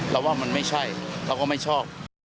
เราว่ามันไม่ใช่เราก็ไม่ชอบ